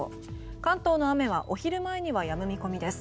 関東の雨はお昼前にはやむ見込みです。